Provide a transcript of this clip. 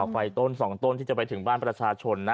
ไฟต้น๒ต้นที่จะไปถึงบ้านประชาชนนะ